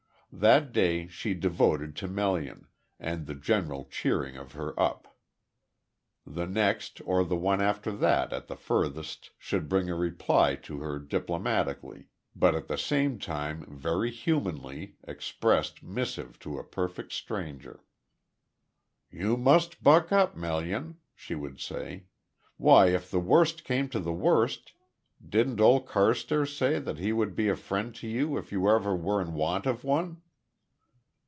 That day she devoted to Melian, and the general cheering of her up. The next or the one after that, at the furthest, should bring a reply to her diplomatically, but at the same time very humanly, expressed missive to a perfect stranger. "You must buck up, Melian," she would say. "Why, if the worst came to the worst didn't old Carstairs say that he would be a friend to you if ever you were in want of one?"